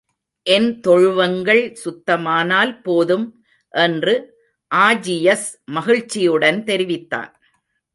என் தொழுவங்கள் சுத்தமானால் போதும்! என்று ஆஜியஸ் மகிழ்ச்சியுடன் தெரிவித்தான்.